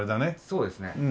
そうですね。